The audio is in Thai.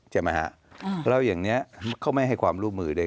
ใช่ไหมฮะแล้วอย่างนี้เขาไม่ให้ความร่วมมือด้วย